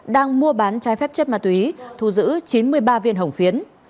đang mua bán trái phép chất ma túy thu giữ chín mươi ba viên hồng phiến